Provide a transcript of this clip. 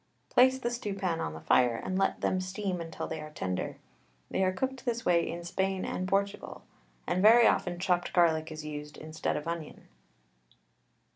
Place the stew pan on the fire, and let them steam till they are tender. They are cooked this way in Spain and Portugal, and very often chopped garlic is used instead of onion.